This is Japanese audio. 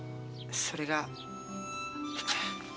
それが。